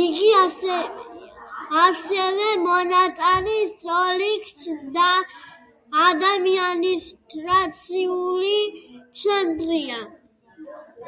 იგი ასევე მონტანის ოლქის ადმინისტრაციული ცენტრია.